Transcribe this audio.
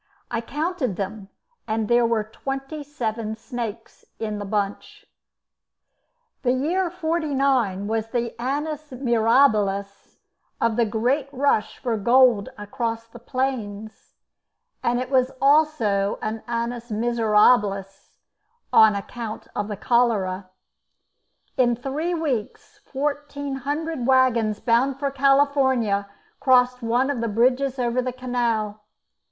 I counted them, and there were twenty seven snakes in the bunch. The year '49 was the 'annus mirabilis' of the great rush for gold across the plains, and it was also an 'annus miserabilis' on account of the cholera. In three weeks fourteen hundred waggons bound for California crossed one of the bridges over the canal.